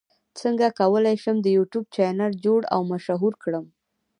څنګه کولی شم د یوټیوب چینل جوړ او مشهور کړم